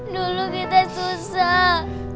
dulu kita susah